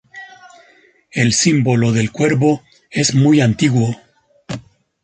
El símbolo del Cuervo es muy antiguo.